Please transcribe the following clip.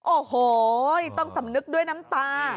โอ้โหต้องสำนึกด้วยน้ำตา